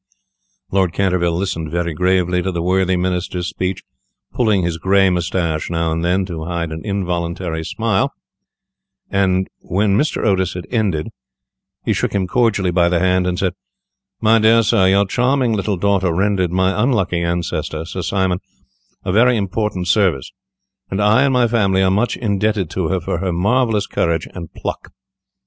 Lord Canterville listened very gravely to the worthy Minister's speech, pulling his grey moustache now and then to hide an involuntary smile, and when Mr. Otis had ended, he shook him cordially by the hand, and said: "My dear sir, your charming little daughter rendered my unlucky ancestor, Sir Simon, a very important service, and I and my family are much indebted to her for her marvellous courage and pluck.